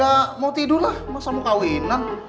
ya mau tidur lah masa mau kawinan